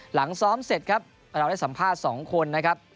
หลังซ้อมเสร็จครับเราได้สัมภาษณ์๒คนนะครับ